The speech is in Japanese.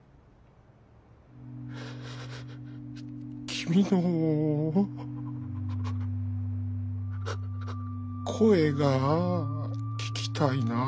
君の声が聞きたいなあ。